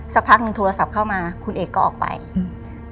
สักพักหนึ่งโทรศัพท์เข้ามาคุณเอกก็ออกไปอืม